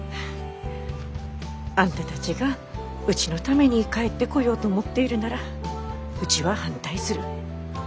あんたたちがうちのために帰ってこようと思っているならうちは反対する。